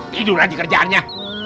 tidur aja kerjaannya